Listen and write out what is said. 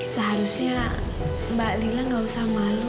seharusnya mbak lila gak usah malu